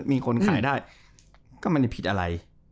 มีคนขายได้ก็ไม่ได้ผิดอะไร